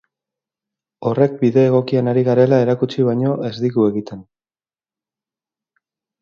Horrek bide egokian ari garela erakutsi baino ez digu egiten.